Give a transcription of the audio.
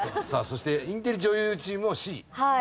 さあそしてインテリ女優チームもＣ。